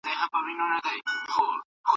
هغه بايد په خپلو تېروتنو باندي له زړه پښېمانه سي.